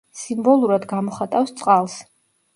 სიმბოლურად გამოხატავს წყალს.